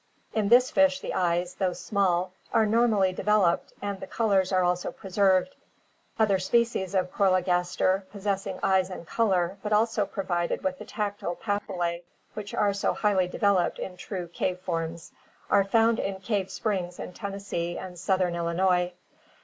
In this fish the eyes, though small, are normally developed and the colors are also preserved. Other species of Chologaskr (Fig. 95,B)possessing eyes and color, but also provided with the tac tile papillae which are so highly developed in true cave forms, are found in cave springs in Tennessee and southern Illinois.